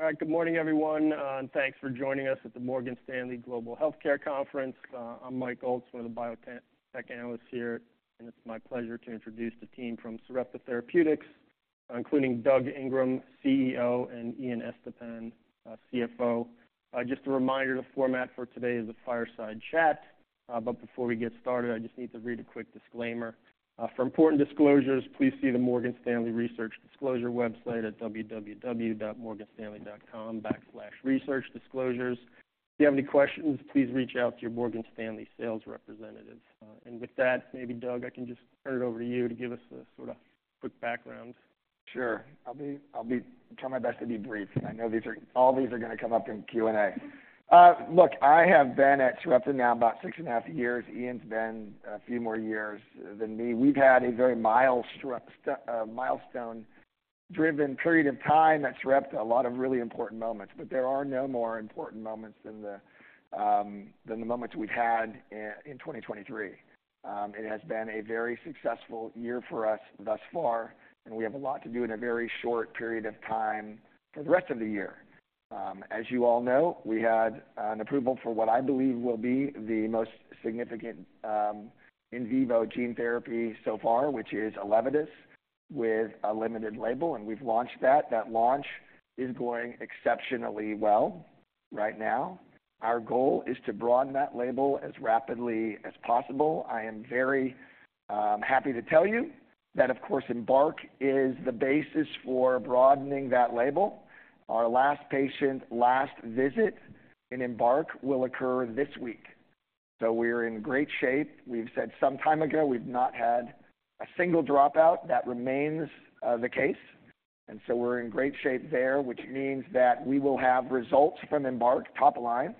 All right. Good morning, everyone, and thanks for joining us at the Morgan Stanley Global Healthcare Conference. I'm Mike Ulz, one of the Biotech Analysts here, and it's my pleasure to introduce the team from Sarepta Therapeutics, including Doug Ingram, CEO, and Ian Estepan, CFO. Just a reminder, the format for today is a fireside chat. But before we get started, I just need to read a quick disclaimer. "For important disclosures, please see the Morgan Stanley Research Disclosure website at www.morganstanley.com/researchdisclosures. If you have any questions, please reach out to your Morgan Stanley sales representative." And with that, maybe Doug, I can just turn it over to you to give us a sort of quick background. Sure. I'll try my best to be brief. I know these are all gonna come up in Q&A. Look, I have been at Sarepta now about six and a half years. Ian's been a few more years than me. We've had a very milestone-driven period of time at Sarepta, a lot of really important moments, but there are no more important moments than the moments we've had in 2023. It has been a very successful year for us thus far, and we have a lot to do in a very short period of time for the rest of the year. As you all know, we had an approval for what I believe will be the most significant in vivo gene therapy so far, which is ELEVIDYS, with a limited label, and we've launched that. That launch is going exceptionally well right now. Our goal is to broaden that label as rapidly as possible. I am very happy to tell you that, of course, EMBARK is the basis for broadening that label. Our last patient, last visit in EMBARK will occur this week, so we're in great shape. We've said some time ago, we've not had a single dropout. That remains the case, and so we're in great shape there, which means that we will have results from EMBARK top line,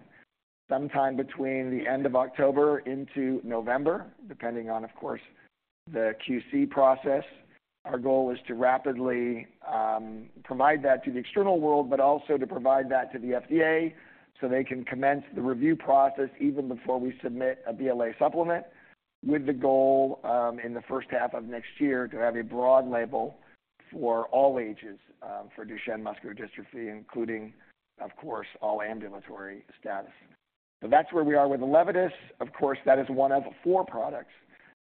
sometime between the end of October into November, depending on, of course, the QC process. Our goal is to rapidly provide that to the external world, but also to provide that to the FDA, so they can commence the review process even before we submit a BLA supplement, with the goal, in the first half of next year, to have a broad label for all ages, for Duchenne muscular dystrophy, including, of course, all ambulatory statuses. So that's where we are with ELEVIDYS. Of course, that is one of four products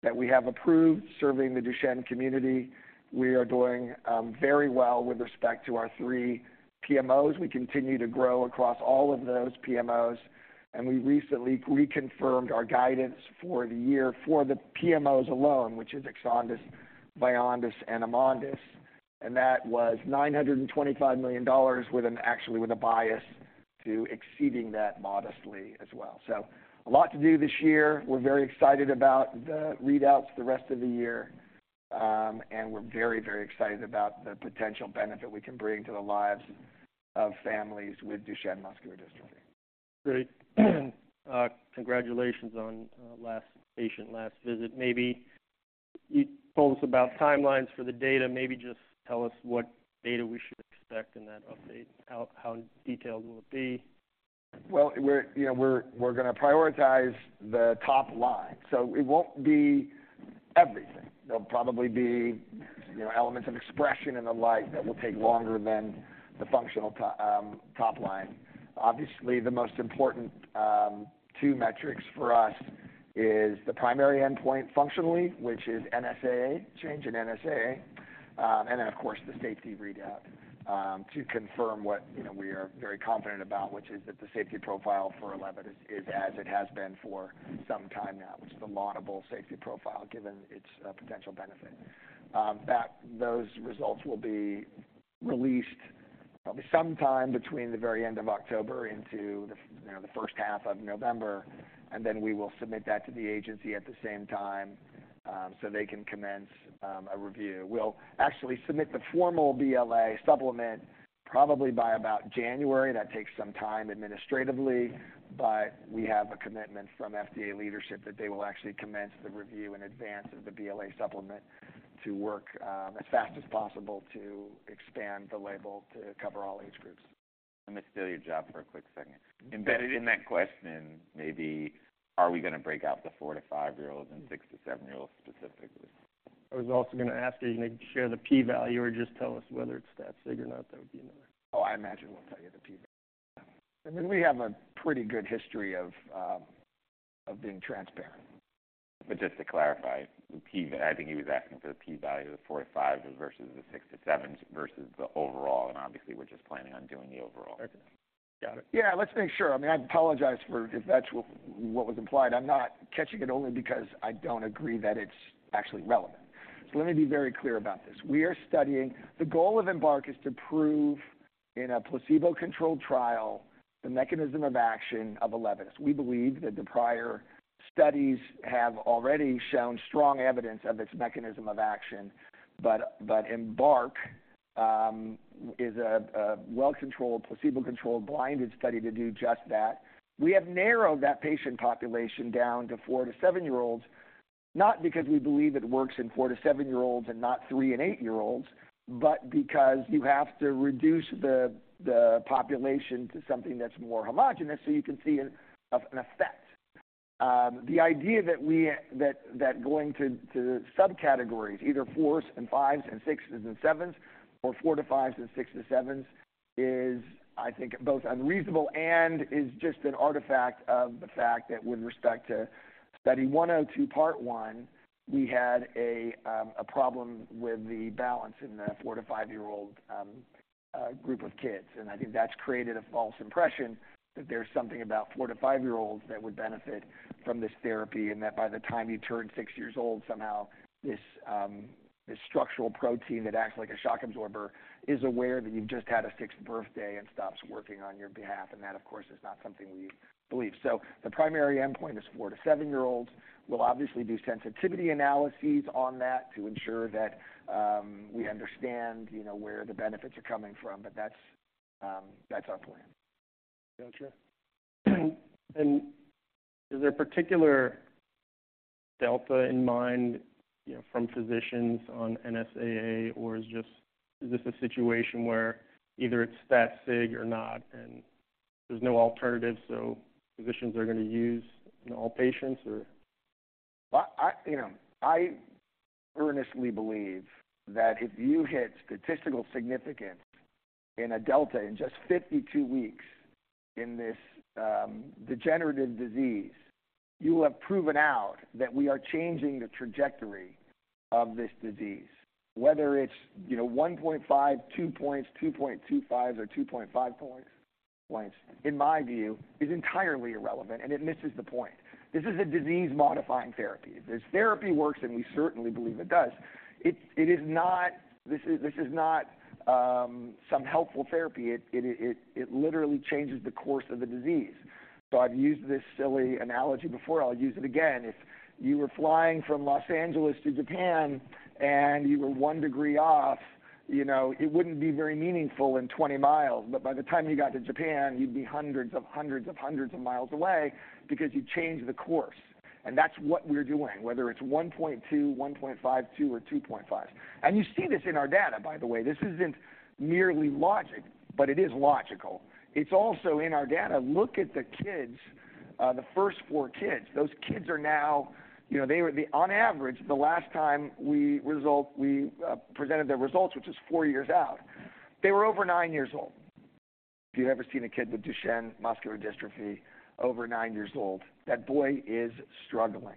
that we have approved serving the Duchenne community. We are doing very well with respect to our three PMOs. We continue to grow across all of those PMOs, and we recently reconfirmed our guidance for the year for the PMOs alone, which is EXONDYS, VYONDYS, and AMONDYS, and that was $925 million, with an... Actually, with a bias to exceeding that modestly as well. A lot to do this year. We're very excited about the readouts the rest of the year, and we're very, very excited about the potential benefit we can bring to the lives of families with Duchenne muscular dystrophy. Great. Congratulations on last patient, last visit. Maybe you told us about timelines for the data. Maybe just tell us what data we should expect in that update. How detailed will it be? Well, we're, you know, gonna prioritize the top line, so it won't be everything. There'll probably be, you know, elements of expression and the like, that will take longer than the functional top line. Obviously, the most important two metrics for us is the primary endpoint functionally, which is NSAA, change in NSAA, and then, of course, the safety readout to confirm what, you know, we are very confident about, which is that the safety profile for ELEVIDYS is, as it has been for some time now, which is a laudable safety profile, given its potential benefit. Those results will be released probably sometime between the very end of October into the, you know, the first half of November, and then we will submit that to the agency at the same time, so they can commence a review. We'll actually submit the formal BLA supplement probably by about January. That takes some time administratively, but we have a commitment from FDA leadership that they will actually commence the review in advance of the BLA supplement to work as fast as possible to expand the label to cover all age groups. Let me steal your job for a quick second. embedded- In that question, maybe, are we gonna break out the 4- to 5-year-olds and 6- to 7-year-olds specifically? I was also gonna ask, are you gonna share the P value, or just tell us whether it's stat sig or not? That would be another. Oh, I imagine we'll tell you the P value. I mean, we have a pretty good history of, of being transparent. But just to clarify, the P value, I think he was asking for the P value of the 4-5 versus the 6-7 versus the overall, and obviously, we're just planning on doing the overall. Okay. Got it. Yeah, let's make sure. I mean, I apologize for if that's what was implied. I'm not catching it only because I don't agree that it's actually relevant. So let me be very clear about this. We are studying. The goal of EMBARK is to prove, in a placebo-controlled trial, the mechanism of action of ELEVIDYS. We believe that the prior studies have already shown strong evidence of its mechanism of action, but EMBARK is a well-controlled, placebo-controlled, blinded study to do just that. We have narrowed that patient population down to 4- to 7-year-olds, not because we believe it works in 4- to 7-year-olds and not 3- and 8-year-olds, but because you have to reduce the population to something that's more homogeneous so you can see an effect. The idea that going to subcategories, either 4s and 5s, and 6s and 7s, or 4 to 5s and 6 to 7s, is, I think, both unreasonable and is just an artifact of the fact that with respect to Study 102, Part 1, we had a problem with the balance in the 4- to 5-year-old group of kids. And I think that's created a false impression that there's something about 4- to 5-year-olds that would benefit from this therapy, and that by the time you turn 6 years old, somehow this structural protein that acts like a shock absorber is aware that you've just had a 6th birthday and stops working on your behalf. And that, of course, is not something we believe. So the primary endpoint is 4- to 7-year-olds. We'll obviously do sensitivity analyses on that to ensure that we understand, you know, where the benefits are coming from, but that's, that's our plan. Gotcha. And is there a particular delta in mind, you know, from physicians on NSAA, or is just... is this a situation where either it's stat sig or not, and there's no alternative, so physicians are going to use in all patients, or? Well, I, you know, I earnestly believe that if you hit statistical significance in a delta in just 52 weeks in this degenerative disease, you will have proven out that we are changing the trajectory of this disease. Whether it's, you know, 1.5, 2 points, 2.25s, or 2.5 points, in my view, is entirely irrelevant, and it misses the point. This is a disease-modifying therapy. If this therapy works, and we certainly believe it does, it literally changes the course of the disease. So I've used this silly analogy before. I'll use it again. If you were flying from Los Angeles to Japan and you were 1 degree off, you know, it wouldn't be very meaningful in 20 mi, but by the time you got to Japan, you'd be hundreds of hundreds of hundreds of miles away because you changed the course. That's what we're doing, whether it's 1.2, 1.5, 2, or 2.5. You see this in our data, by the way. This isn't merely logic, but it is logical. It's also in our data. Look at the kids, the first 4 kids. Those kids are now, you know, on average, the last time we presented their results, which is 4 years out, they were over 9 years old. If you've ever seen a kid with Duchenne muscular dystrophy over 9 years old, that boy is struggling.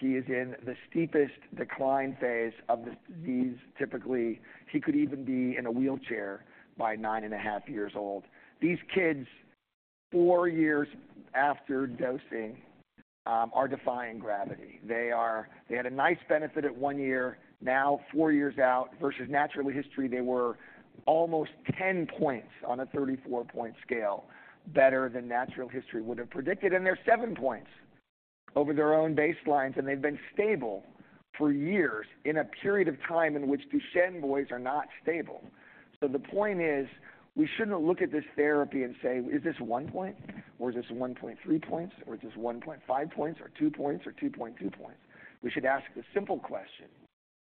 He is in the steepest decline phase of this disease. Typically, he could even be in a wheelchair by 9.5 years old. These kids, 4 years after dosing, are defying gravity. They are. They had a nice benefit at 1 year. Now, 4 years out, versus natural history, they were almost 10 points on a 34-point scale better than natural history would have predicted, and they're 7 points over their own baselines, and they've been stable for years in a period of time in which Duchenne boys are not stable. So the point is, we shouldn't look at this therapy and say: Is this 1 point, or is this 1.3 points, or is this 1.5 points, or 2 points, or 2.2 points? We should ask the simple question: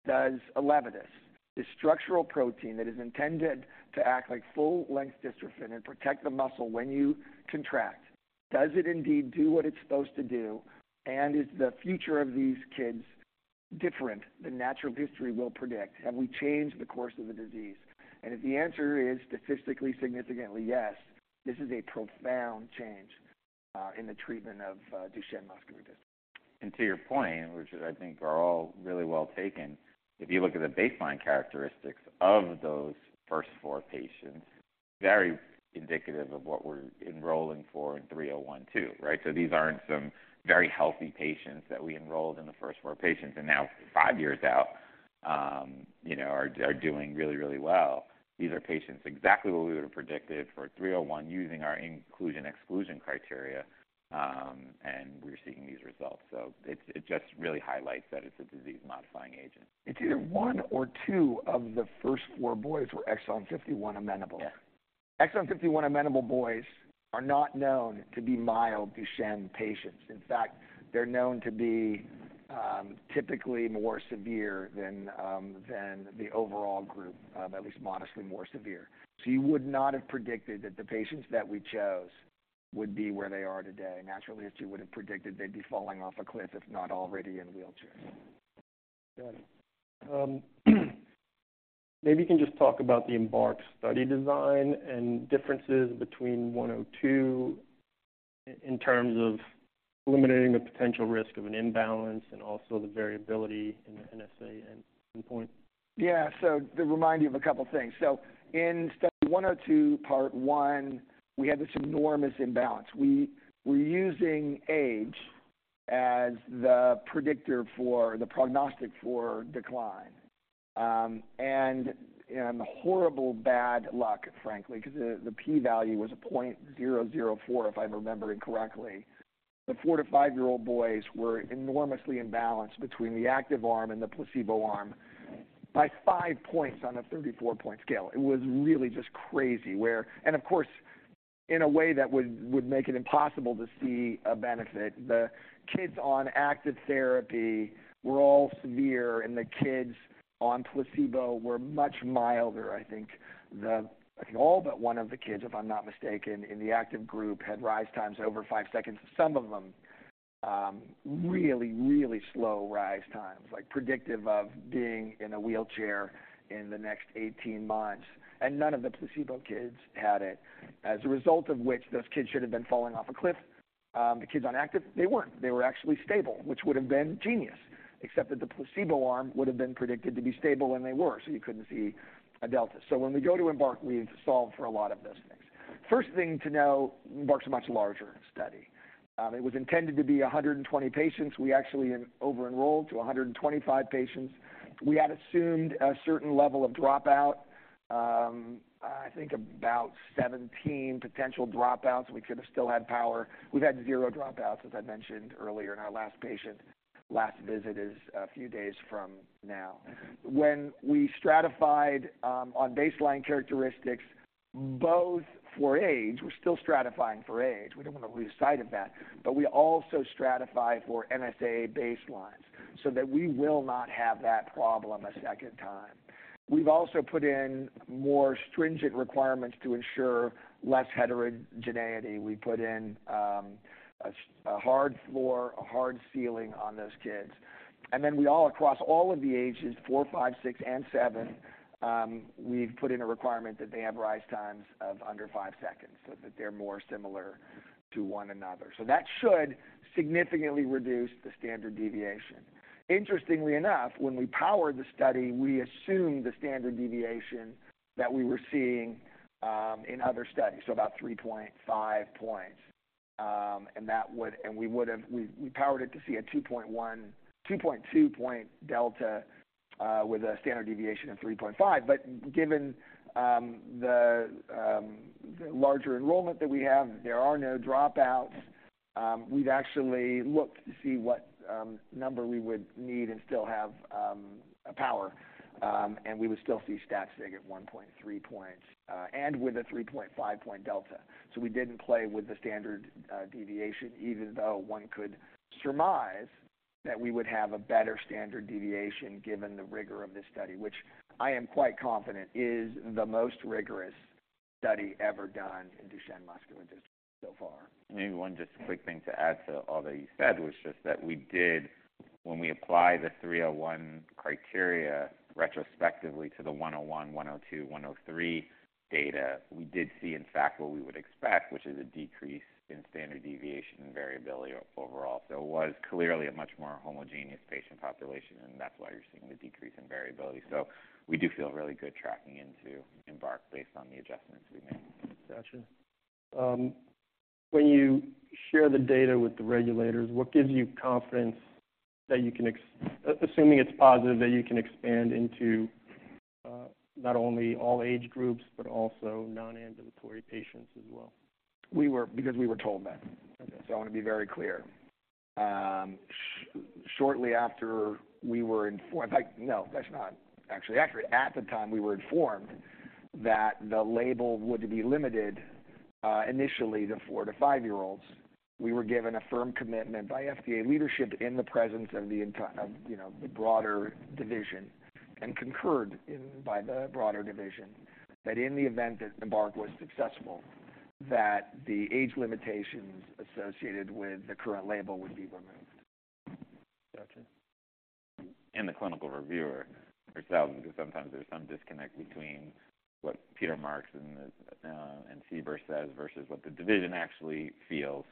Does ELEVIDYS, this structural protein that is intended to act like full-length dystrophin and protect the muscle when you contract, does it indeed do what it's supposed to do? And is the future of these kids different than natural history will predict? Have we changed the course of the disease? And if the answer is statistically significantly, yes, this is a profound change in the treatment of Duchenne muscular dystrophy. To your point, which I think are all really well taken, if you look at the baseline characteristics of those first four patients, very indicative of what we're enrolling for in 301 too, right? So these aren't some very healthy patients that we enrolled in the first four patients, and now five years out, you know, are doing really, really well. These are patients exactly what we would have predicted for 301, using our inclusion, exclusion criteria, and we're seeing these results. So it just really highlights that it's a disease-modifying agent. It's either 1 or 2 of the first 4 boys were exon 51 amenable. Exon 51 amenable boys are not known to be mild Duchenne patients. In fact, they're known to be typically more severe than the overall group, at least modestly more severe. So you would not have predicted that the patients that we chose would be where they are today. Naturally, as you would have predicted, they'd be falling off a cliff, if not already in wheelchairs. Got it. Maybe you can just talk about the EMBARK study design and differences between 102 in terms of eliminating the potential risk of an imbalance and also the variability in the NSA and endpoint. Yeah. So to remind you of a couple of things. So in Study 102, Part 1, we had this enormous imbalance. We were using age as the predictor for the prognostic for decline. And horrible bad luck, frankly, because the p-value was 0.004, if I remember it correctly. The 4- to 5-year-old boys were enormously imbalanced between the active arm and the placebo arm by 5 points on a 34-point scale. It was really just crazy where... And of course, in a way that would make it impossible to see a benefit. The kids on active therapy were all severe, and the kids on placebo were much milder. I think all but one of the kids, if I'm not mistaken, in the active group, had rise times over 5 seconds. Some of them... really, really slow rise times, like predictive of being in a wheelchair in the next 18 months, and none of the placebo kids had it. As a result of which, those kids should have been falling off a cliff, the kids on active, they weren't. They were actually stable, which would have been genius, except that the placebo arm would have been predicted to be stable, and they were, so you couldn't see a delta. So when we go to EMBARK, we've solved for a lot of those things. First thing to know, EMBARK's a much larger study. It was intended to be 120 patients. We actually over-enrolled to 125 patients. We had assumed a certain level of dropout, I think about 17 potential dropouts. We could have still had power. We've had zero dropouts, as I mentioned earlier, and our last patient, last visit is a few days from now. When we stratified on baseline characteristics, both for age, we're still stratifying for age. We don't want to lose sight of that, but we also stratify for NSAA baselines so that we will not have that problem a second time. We've also put in more stringent requirements to ensure less heterogeneity. We put in a hard floor, a hard ceiling on those kids, and then we all, across all of the ages, four, five, six, and seven, we've put in a requirement that they have rise times of under five seconds so that they're more similar to one another. So that should significantly reduce the standard deviation. Interestingly enough, when we powered the study, we assumed the standard deviation that we were seeing in other studies, so about 3.5 points. And that would—we powered it to see a 2.1 to 2.2 point delta with a standard deviation of 3.5. But given the larger enrollment that we have, there are no dropouts, we've actually looked to see what number we would need and still have a power, and we would still see stats sig at 1.3 points, and with a 3.5 point delta. We didn't play with the standard deviation, even though one could surmise that we would have a better standard deviation, given the rigor of this study, which I am quite confident is the most rigorous study ever done in Duchenne muscular dystrophy so far. Maybe one just quick thing to add to all that you said was just that we did when we applied the 301 criteria retrospectively to the 101, 102, 103 data, we did see, in fact, what we would expect, which is a decrease in standard deviation and variability overall. So it was clearly a much more homogeneous patient population, and that's why you're seeing the decrease in variability. So we do feel really good tracking into EMBARK based on the adjustments we made. Gotcha. When you share the data with the regulators, what gives you confidence that you can assuming it's positive, that you can expand into, not only all age groups, but also non-ambulatory patients as well? We were, because we were told that. So I want to be very clear. Shortly after we were informed, like, no, that's not actually accurate. At the time, we were informed that the label would be limited initially to 4 to 5-year-olds. We were given a firm commitment by FDA leadership in the presence of the entire, of, you know, the broader division, and concurred in by the broader division, that in the event that EMBARK was successful, that the age limitations associated with the current label would be removed. Gotcha. The clinical reviewer herself, because sometimes there's some disconnect between what Peter Marks and CBER says versus what the division actually feels.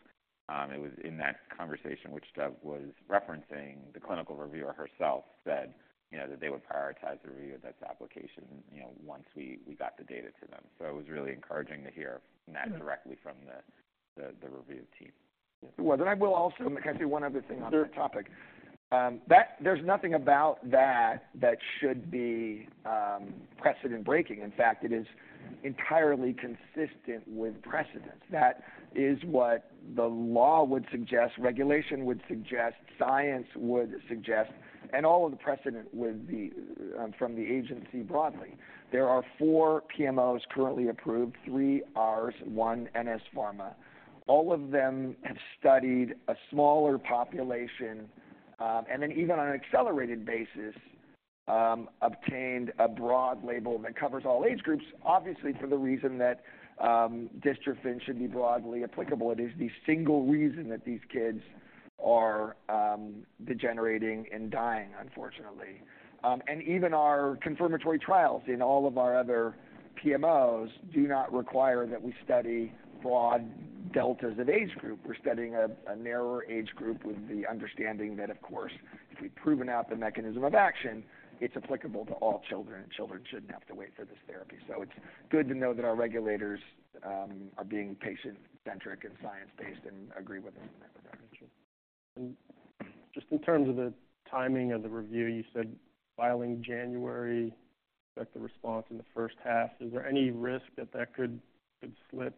It was in that conversation which Doug was referencing, the clinical reviewer herself said, you know, that they would prioritize the review of this application, you know, once we got the data to them. So it was really encouraging to hear that directly from the review team. Well, then I will also can say one other thing on that topic. That there's nothing about that, that should be, precedent-breaking. In fact, it is entirely consistent with precedence. That is what the law would suggest, regulation would suggest, science would suggest, and all of the precedent would be, from the agency broadly. There are four PMOs currently approved, three Rs, one NS Pharma. All of them have studied a smaller population, and then even on an accelerated basis, obtained a broad label that covers all age groups, obviously, for the reason that, dystrophin should be broadly applicable. It is the single reason that these kids are, degenerating and dying, unfortunately. And even our confirmatory trials in all of our other PMOs do not require that we study broad deltas of age group. We're studying a narrower age group with the understanding that, of course, if we've proven out the mechanism of action, it's applicable to all children, and children shouldn't have to wait for this therapy. So it's good to know that our regulators are being patient-centric and science-based and agree with us on that. Got you. And just in terms of the timing of the review, you said filing January, expect the response in the first half. Is there any risk that that could slip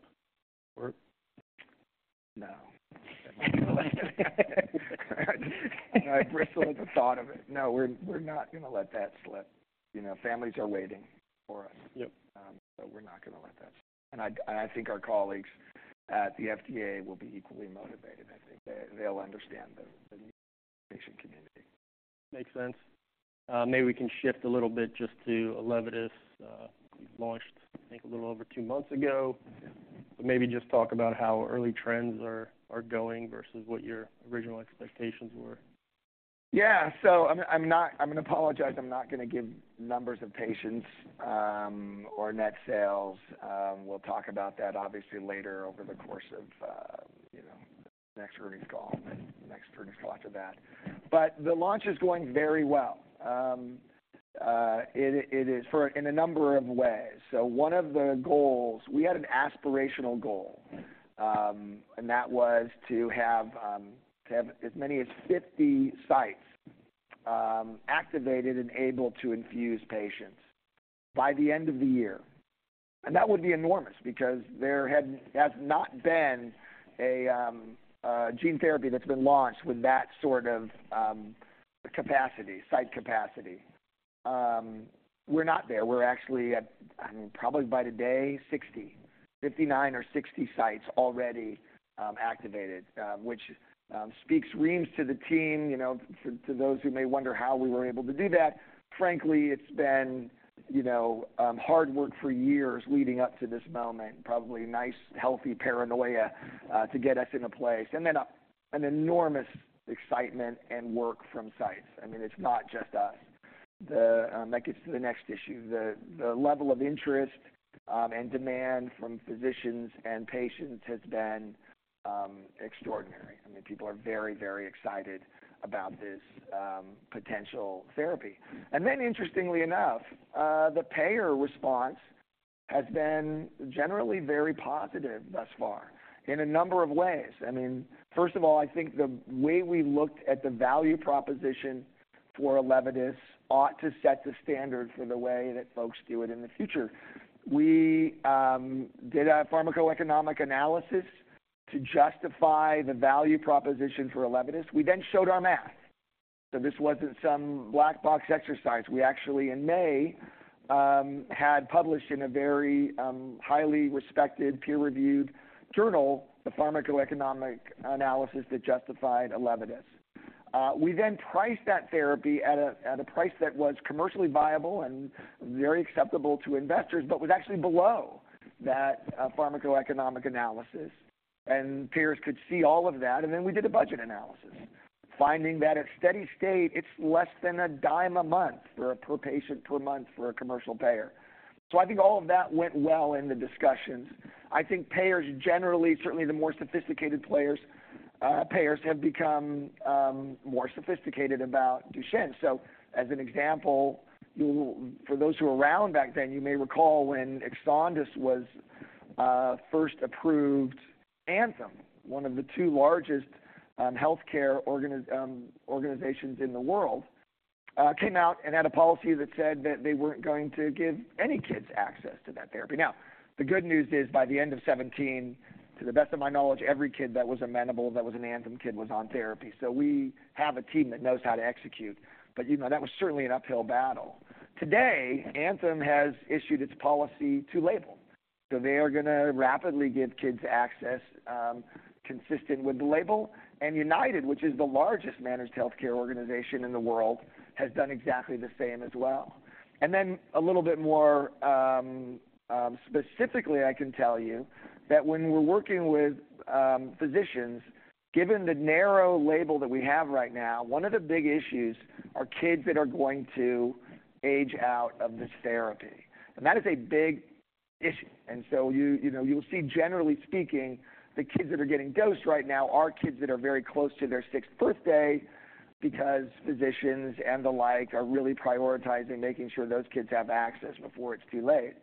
or? No. I bristle at the thought of it. No, we're not going to let that slip. You know, families are waiting for us. Yep. So we're not going to let that slip. And I think our colleagues at the FDA will be equally motivated. I think they'll understand that. Makes sense. Maybe we can shift a little bit just to ELEVIDYS, you launched, I think, a little over two months ago. Maybe just talk about how early trends are going versus what your original expectations were. Yeah. So I'm gonna apologize, I'm not gonna give numbers of patients or net sales. We'll talk about that obviously later over the course of, you know, next earnings call and the next earnings call after that. But the launch is going very well. It is for, in a number of ways. So one of the goals, we had an aspirational goal, and that was to have as many as 50 sites activated and able to infuse patients by the end of the year. And that would be enormous because there has not been a gene therapy that's been launched with that sort of capacity, site capacity. We're not there. We're actually at, I mean, probably by today, 59 or 60 sites already activated, which speaks reams to the team, you know, to those who may wonder how we were able to do that. Frankly, it's been, you know, hard work for years leading up to this moment, probably nice, healthy paranoia to get us in a place, and then an enormous excitement and work from sites. I mean, it's not just us. That gets to the next issue, the level of interest and demand from physicians and patients has been extraordinary. I mean, people are very, very excited about this potential therapy. And then interestingly enough, the payer response has been generally very positive thus far in a number of ways. I mean, first of all, I think the way we looked at the value proposition for ELEVIDYS ought to set the standard for the way that folks do it in the future. We did a pharmacoeconomic analysis to justify the value proposition for ELEVIDYS. We then showed our math, so this wasn't some black box exercise. We actually, in May, had published in a very highly respected, peer-reviewed journal, the pharmacoeconomic analysis that justified ELEVIDYS. We then priced that therapy at a price that was commercially viable and very acceptable to investors, but was actually below that pharmacoeconomic analysis, and peers could see all of that. And then we did a budget analysis, finding that at steady state, it's less than $0.10 per patient per month for a commercial payer. So I think all of that went well in the discussions. I think payers generally, certainly the more sophisticated players, payers have become more sophisticated about Duchenne. So as an example, you, for those who were around back then, you may recall when EXONDYS was first approved, Anthem, one of the two largest healthcare organizations in the world, came out and had a policy that said that they weren't going to give any kids access to that therapy. Now, the good news is, by the end of 2017, to the best of my knowledge, every kid that was amenable, that was an Anthem kid, was on therapy. So we have a team that knows how to execute, but, you know, that was certainly an uphill battle. Today, Anthem has issued its policy to label, so they are gonna rapidly give kids access, consistent with the label. And United, which is the largest managed healthcare organization in the world, has done exactly the same as well. And then a little bit more, specifically, I can tell you that when we're working with, physicians, given the narrow label that we have right now, one of the big issues are kids that are going to age out of this therapy, and that is a big issue. And so you know, you'll see, generally speaking, the kids that are getting dosed right now are kids that are very close to their sixth birthday, because physicians and the like, are really prioritizing, making sure those kids have access before it's too late.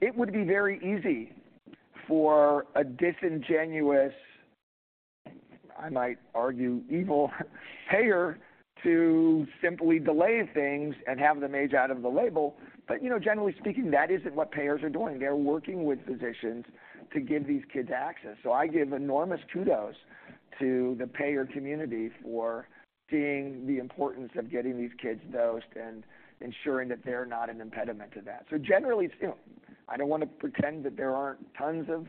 It would be very easy for a disingenuous, I might argue, evil payer to simply delay things and have them age out of the label. But, you know, generally speaking, that isn't what payers are doing. They're working with physicians to give these kids access. So I give enormous kudos to the payer community for seeing the importance of getting these kids dosed and ensuring that they're not an impediment to that. So generally, you know, I don't want to pretend that there aren't tons of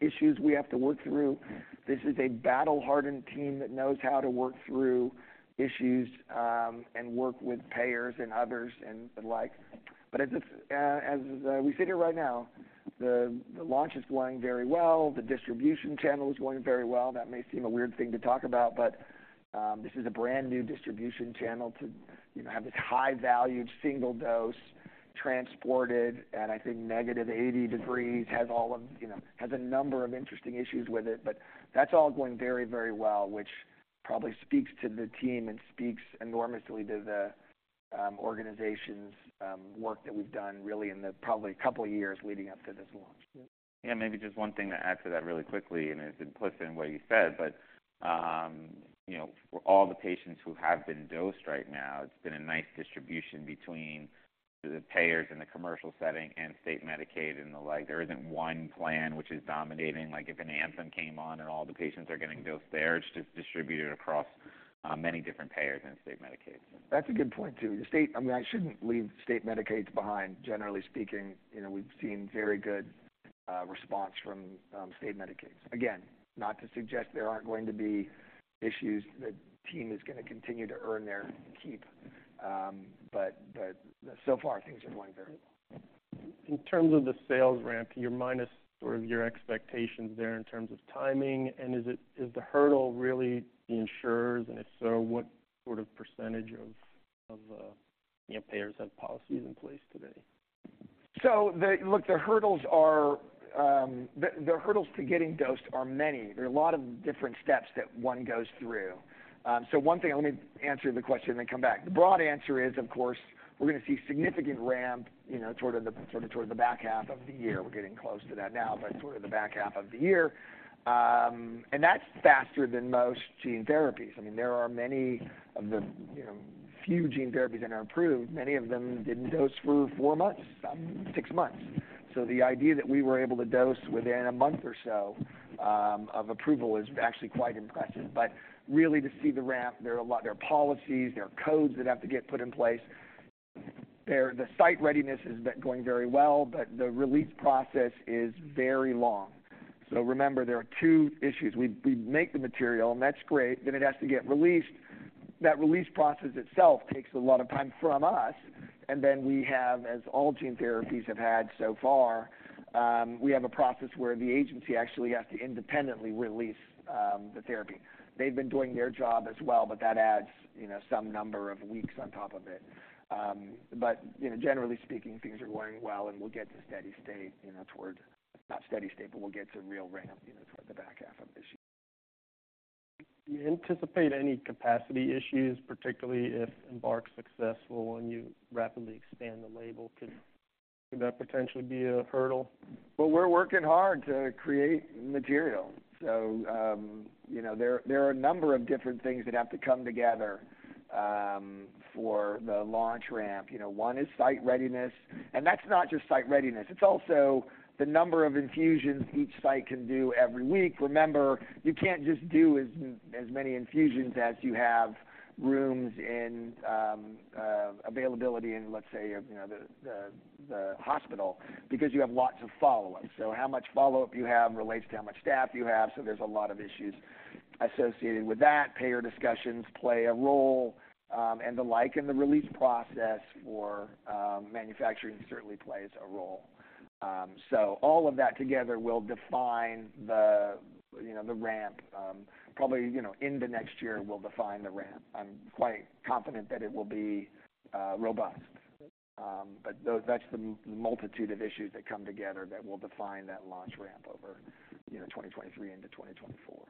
issues we have to work through. This is a battle-hardened team that knows how to work through issues, and work with payers and others and the like. But as we sit here right now, the launch is going very well. The distribution channel is going very well. That may seem a weird thing to talk about, but, this is a brand-new distribution channel to, you know, have this high-value, single dose transported at, I think, negative 80 degrees, has all of, you know, has a number of interesting issues with it. But that's all going very, very well, which probably speaks to the team and speaks enormously to the, organization's, work that we've done really in the probably couple of years leading up to this launch. Yeah, maybe just one thing to add to that really quickly, and it's implicit in what you said, but, you know, for all the patients who have been dosed right now, it's been a nice distribution between the payers and the commercial setting and state Medicaid and the like. There isn't one plan which is dominating, like if an Anthem came on and all the patients are getting dosed there. It's just distributed across, many different payers and state Medicaids. That's a good point, too. The state... I mean, I shouldn't leave state Medicaids behind. Generally speaking, you know, we've seen very good response from state Medicaids. Again, not to suggest there aren't going to be issues. The team is gonna continue to earn their keep, but so far, things are going very well. In terms of the sales ramp, you're minus sort of your expectations there in terms of timing, and is it the hurdle really the insurers? And if so, what sort of percentage of, you know, payers have policies in place today? Look, the hurdles to getting dosed are many. There are a lot of different steps that one goes through. So one thing, let me answer the question and then come back. The broad answer is, of course, we're gonna see significant ramp, you know, toward the, sort of, back half of the year. We're getting close to that now, but sort of the back half of the year. And that's faster than most gene therapies. I mean, there are many of the, you know, few gene therapies that are approved. Many of them didn't dose for 4 months, 6 months. So the idea that we were able to dose within a month or so, of approval is actually quite impressive. But really, to see the ramp, there are policies, there are codes that have to get put in place. There, the site readiness has been going very well, but the release process is very long. So remember, there are two issues. We make the material, and that's great, then it has to get released. That release process itself takes a lot of time from us, and then we have, as all gene therapies have had so far, we have a process where the agency actually has to independently release the therapy. They've been doing their job as well, but that adds, you know, some number of weeks on top of it. But, you know, generally speaking, things are going well, and we'll get to steady state, you know, towards, not steady state, but we'll get to real ramp, you know, toward the back half of this year. Do you anticipate any capacity issues, particularly if EMBARK's successful and you rapidly expand the label? Could that potentially be a hurdle? Well, we're working hard to create material. So, you know, there are a number of different things that have to come together for the launch ramp. You know, one is site readiness, and that's not just site readiness, it's also the number of infusions each site can do every week. Remember, you can't just do as many infusions as you have rooms in availability in, let's say, you know, the hospital, because you have lots of follow-up. So how much follow-up you have relates to how much staff you have, so there's a lot of issues associated with that. Payer discussions play a role, and the like, and the release process for manufacturing certainly plays a role. So all of that together will define the, you know, the ramp. Probably, you know, in the next year will define the ramp. I'm quite confident that it will be robust. But those... That's the multitude of issues that come together that will define that launch ramp over, you know, 2023 into 2024.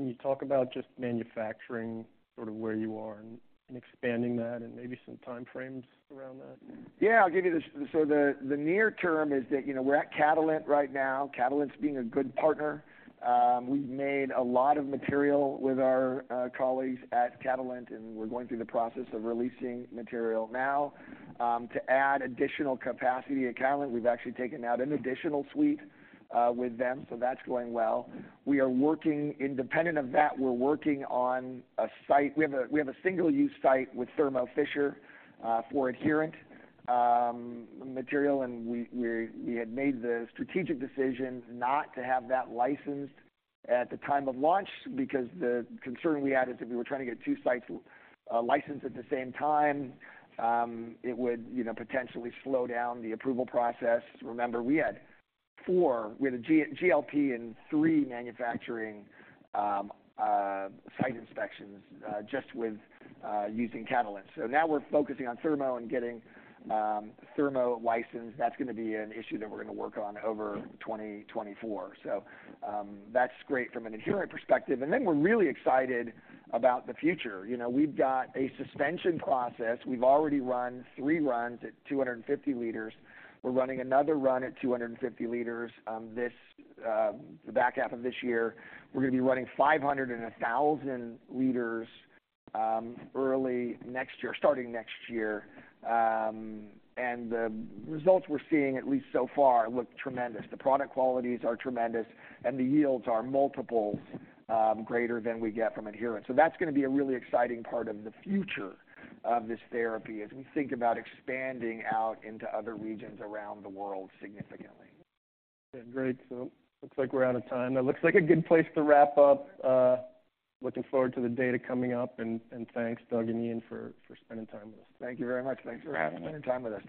Can you talk about just manufacturing, sort of where you are and, and expanding that, and maybe some timeframes around that? Yeah, I'll give you the. So the near term is that, you know, we're at Catalent right now. Catalent's being a good partner. We've made a lot of material with our colleagues at Catalent, and we're going through the process of releasing material now. To add additional capacity at Catalent, we've actually taken out an additional suite with them, so that's going well. We are working. Independent of that, we're working on a site. We have a single-use site with Thermo Fisher for adherent material, and we had made the strategic decision not to have that licensed at the time of launch because the concern we had is if we were trying to get two sites licensed at the same time, it would, you know, potentially slow down the approval process. Remember, we had four, we had a GLP and three manufacturing site inspections just using Catalent. So now we're focusing on Thermo and getting Thermo licensed. That's gonna be an issue that we're gonna work on over 2024. So, that's great from an adherent perspective, and then we're really excited about the future. You know, we've got a suspension process. We've already run three runs at 250 L. We're running another run at 250 L, the back half of this year. We're gonna be running 500 L and 1,000 L early next year, starting next year. And the results we're seeing, at least so far, look tremendous. The product qualities are tremendous, and the yields are multiples greater than we get from adherent. That's gonna be a really exciting part of the future of this therapy as we think about expanding out into other regions around the world significantly. Great. So looks like we're out of time. That looks like a good place to wrap up. Looking forward to the data coming up, and thanks, Doug and Ian, for spending time with us. Thank you very much. Thanks for having me. Thanks for spending time with us today.